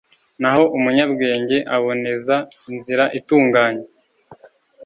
naho umunyabwenge aboneza inzira itunganye